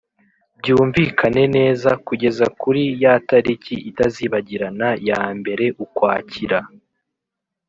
byumvikane neza, kugeza kuri ya tariki itazibagirana ya mbere ukwakira